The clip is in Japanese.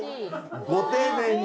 ご丁寧に。